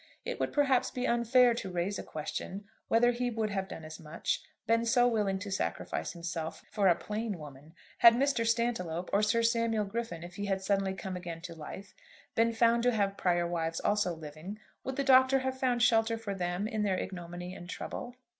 It would perhaps be unfair to raise a question whether he would have done as much, been so willing to sacrifice himself, for a plain woman. Had Mr. Stantiloup, or Sir Samuel Griffin if he had suddenly come again to life, been found to have prior wives also living, would the Doctor have found shelter for them in their ignominy and trouble?